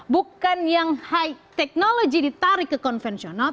bukan yang high technology ditarik ke konvensional